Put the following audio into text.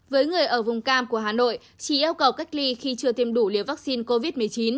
với người ở vùng cam của hà nội chỉ yêu cầu cách ly khi chưa tiêm đủ liều vaccine covid một mươi chín